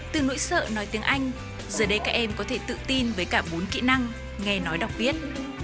từ nỗi sợ nói tiếng anh giờ đây các em có thể tự tin với cả bốn kỹ năng nghe nói đọc viết